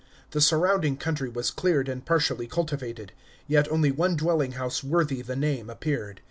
The surrounding country was cleared and partially cultivated; yet only one dwelling house worthy the name appeared.